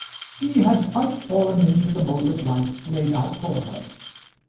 She had quite fallen in to the mode of life laid out for her.